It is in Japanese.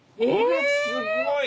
すごい！